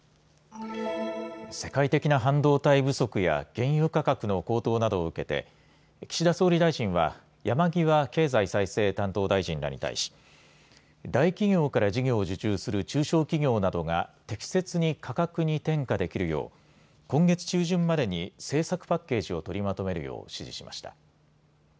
世界的な半導体不足や原油価格の高騰などを受けて岸田総理大臣は山際経済再生担当大臣らに対し大企業から事業を受注する中小企業などが適切に価格に転嫁できるよう今月中旬までに政策パッケージを取りまとめるよう指示しました。